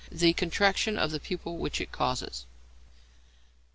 _ The contraction of the pupil which it causes.